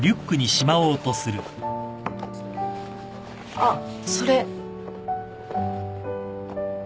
あっそれ。